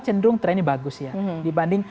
cenderung trennya bagus ya dibanding